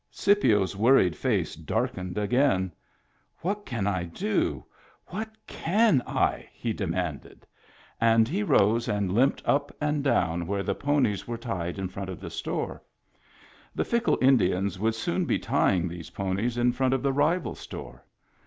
Scipio's worried face darkened again. " What can I do ? What can I ?" he demanded. And Digitized by Google 50 MEMBERS OF THE FAMILY he rose and limped up and down where the ponies were tied in front of the store. The fickle Indians would soon be tying these ponies in front of the rival store.